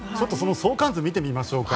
相関図見てみましょうか。